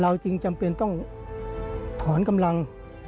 จึงจำเป็นต้องถอนกำลัง